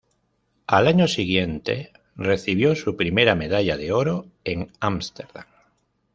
Al año siguiente, recibió su primera medalla de oro en Ámsterdam.